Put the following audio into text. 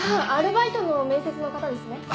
ああアルバイトの面接の方ですね？